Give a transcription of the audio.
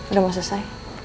udah gak selesai